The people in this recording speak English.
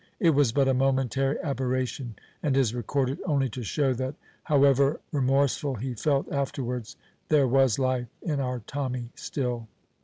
It was but a momentary aberration, and is recorded only to show that, however remorseful he felt afterwards, there was life in our Tommy still.